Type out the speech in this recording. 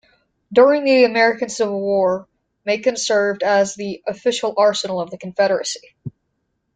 During the American Civil War, Macon served as the official arsenal of the Confederacy.